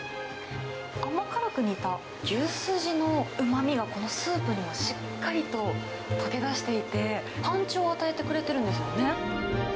甘辛く煮た牛筋のうまみが、このスープにもしっかりと熔け出していて、パンチを与えてくれてるんですよね。